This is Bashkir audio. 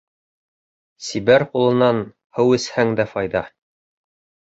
Сибәр ҡулынан һыу эсһәң дә файҙа.